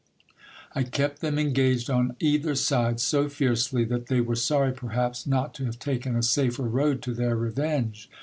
I kept them engaged on either side so fiercely, that they were sorry perhaps not to have taken a safer road to their revenge.